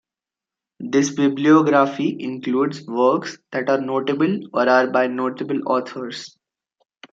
This bibliography includes works that are notable or are by notable authors.